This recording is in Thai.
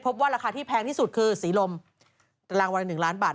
ว่าราคาที่แพงที่สุดคือสีลมรางวัลละ๑ล้านบาท